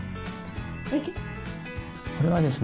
これはですね